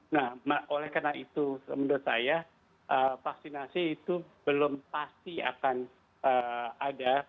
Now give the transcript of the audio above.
nah oleh karena itu menurut saya vaksinasi itu belum pasti akan ada